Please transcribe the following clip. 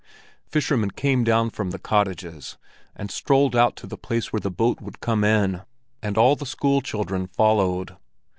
Fishermen came down from the cottages and strolled out to the place where the boat would come in, and all the school children followed.